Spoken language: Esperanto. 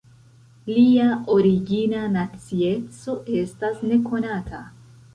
Lia origina nacieco estas nekonata.